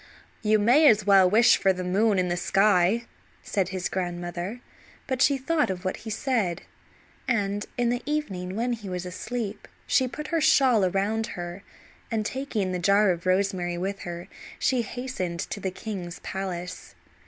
"You may as well wish for the moon in the sky," said his grandmother; but she thought of what he said, and in the evening when he was asleep she put her shawl around her, and taking the jar of rosemary with her she hastened to the king's palace.